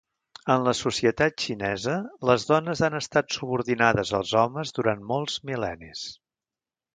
En la societat xinesa, les dones han estat subordinades als homes durant molts mil·lennis.